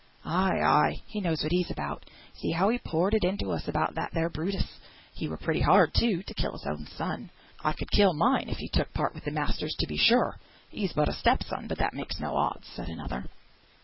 "Ay! ay! he knows what he's about. See how he poured it into us about that there Brutus. He were pretty hard, too, to kill his own son!" "I could kill mine if he took part wi' the masters; to be sure, he's but a step son, but that makes no odds," said another.